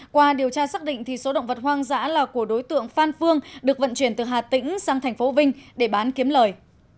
qua điều tra xác định số động vật hoang dã là của đối tượng phan phương được vận chuyển từ hà tĩnh sang thành phố vinh để bán kiếm lời